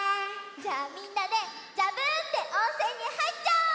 じゃあみんなで「ざぶん」っておんせんにはいっちゃおう！